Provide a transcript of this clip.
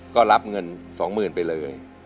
ก็รับเงินสองหมื่นไปเลย